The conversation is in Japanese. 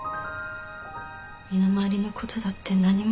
身の回りのことだって何もできなくて。